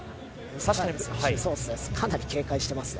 かなり警戒してますね。